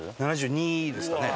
７２ですかね。